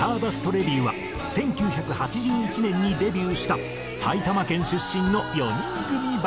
レビューは１９８１年にデビューした埼玉県出身の４人組バンド。